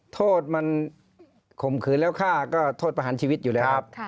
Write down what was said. โทษมันข่มขืนแล้วฆ่าก็โทษประหารชีวิตอยู่แล้ว